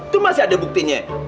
tuh masih ada buktinya